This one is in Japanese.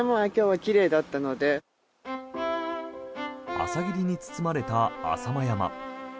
朝霧に包まれた浅間山。